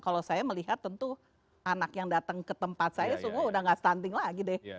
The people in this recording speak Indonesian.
kalau saya melihat tentu anak yang datang ke tempat saya semua udah gak stunting lagi deh